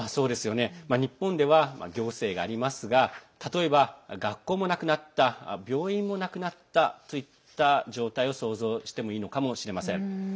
日本では行政がありますが例えば、学校もなくなった病院もなくなったといった状態を想像してもいいのかもしれません。